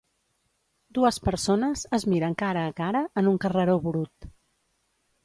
Dues persones es miren cara a cara en un carreró brut.